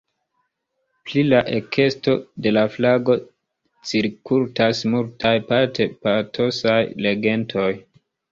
Pri la ekesto de la flago cirkultas multaj, parte patosaj legendoj.